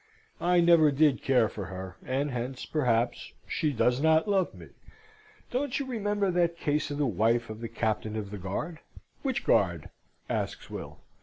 "I never did care for her, and hence, perhaps, she does not love me. Don't you remember that case of the wife of the Captain of the Guard?" "Which Guard?" asks Will.